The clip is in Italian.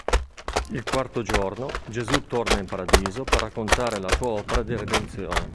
Il quarto giorno, Gesù torna in paradiso per raccontare la sua opera di redenzione.